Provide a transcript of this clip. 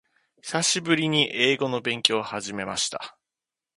久しぶりに英語の勉強を始めました。